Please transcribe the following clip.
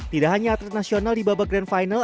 tidak hanya atlet nasional di babak grand final